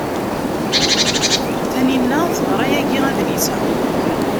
Tanina teɣra yagi adlis-a.